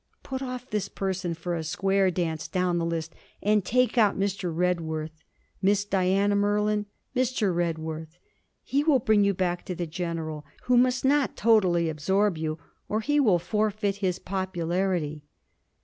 'Put off this person for a square dance down the list, and take out Mr. Redworth Miss Diana Merlon, Mr. Redworth: he will bring you back to the General, who must not totally absorb you, or he will forfeit his popularity.'